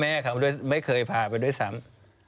พ่อแม่เขาไม่เคยพาไปด้วยซ้ำ